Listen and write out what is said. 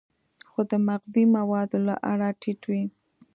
خو د مغذي موادو له اړخه ټیټ وي.